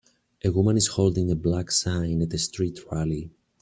A woman is holding a black sign at a street rally.